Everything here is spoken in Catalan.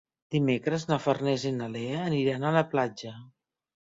Dimecres na Farners i na Lea aniran a la platja.